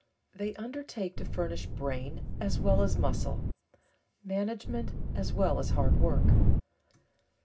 They undertake to furnish brain as well as muscle, management as well as hand work.